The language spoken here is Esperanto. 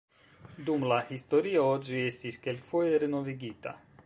Dum la historio ĝi estis kelkfoje renovigita.